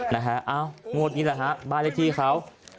โน้ทนี้แหละครับบ้านเล็กที่เขา